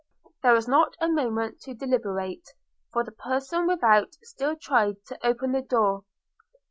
There was not a moment to deliberate, for the person without still tried to open the door.